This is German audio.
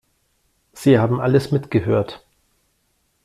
Sie haben alles mitgehört.